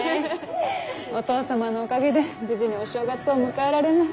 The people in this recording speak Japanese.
お義父様のおかげで無事にお正月を迎えられます。